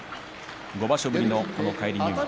５場所ぶりの返り入幕